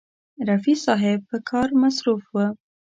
رفیع صاحب په کار مصروف و.